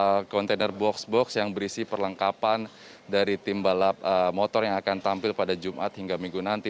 ada kontainer box box yang berisi perlengkapan dari tim balap motor yang akan tampil pada jumat hingga minggu nanti